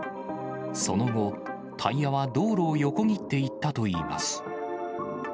その後、タイヤは道路を横切っていったといいます。